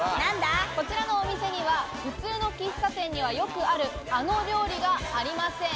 こちらのお店には普通の喫茶店にはよくあるあの料理がありません。